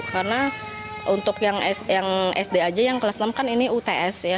karena untuk yang sd aja yang kelas enam kan ini uts ya